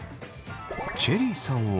チェリーさんは。